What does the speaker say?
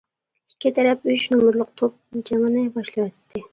ئىككى تەرەپ «ئۈچ نومۇرلۇق توپ» جېڭىنى باشلىۋەتتى.